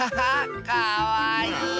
かわいい！